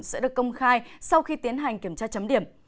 sẽ được công khai sau khi tiến hành kiểm tra chấm điểm